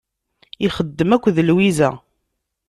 Ixeddem akked Lwiza.